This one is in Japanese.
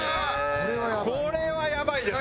これはやばいです。